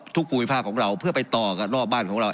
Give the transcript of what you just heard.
ภูมิภาคของเราเพื่อไปต่อกันรอบบ้านของเรา